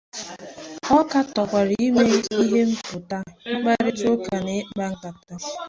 Ọ katọkwara ime ihe, mmepụta, mkparịta ụka na ịkpa nkata.